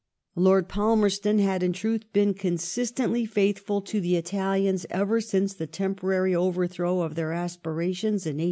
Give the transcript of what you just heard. Lord Palmerston had, in truth, been consistently faithful to the Italians ever since the temporary overthrow of their aspirations in 1848.